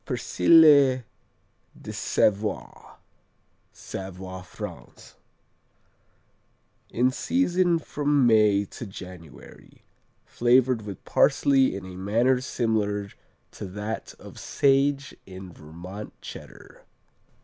Persillé de Savoie Savoie, France In season from May to January, flavored with parsley in a manner similar to that of sage in Vermont Cheddar.